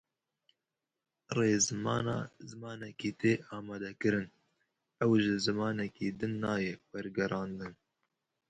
Rêzimana zimanekî tê amadekirin, ew ji zimanekî din nayê wergerandin.